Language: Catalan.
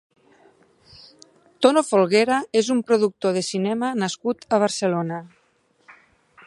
Tono Folguera és un productor de cinema nascut a Barcelona.